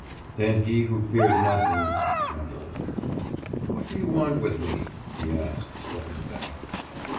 « Then he who feared nothing, trembled. »What do you want with me?« he asked, stepping back.